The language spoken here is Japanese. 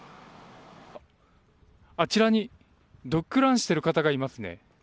あちらにドッグランをしている方がいますね。